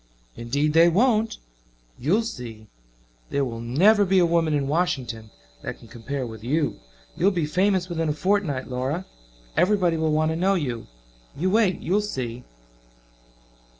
"Indeed they won't. You'll see. There will never be a woman in Washington that can compare with you. You'll be famous within a fortnight, Laura. Everybody will want to know you. You wait you'll see."